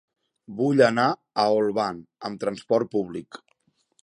Vull anar a Olvan amb trasport públic.